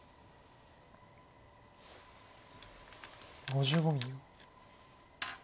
５５秒。